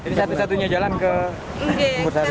ini satu satunya jalan ke pusat